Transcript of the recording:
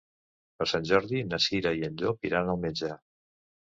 Per Sant Jordi na Cira i en Llop iran al metge.